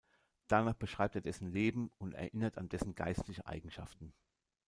Danach beschreibt er dessen Leben und erinnert an dessen geistliche Eigenschaften.